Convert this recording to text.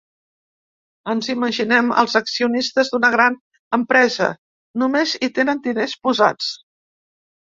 Ens imaginem els accionistes d’una gran empresa, només hi tenen diners posats.